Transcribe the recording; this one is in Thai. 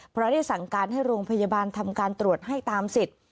เพราะได้สั่งการให้โรงพยาบาลทำการตรวจให้ตามสิทธิ์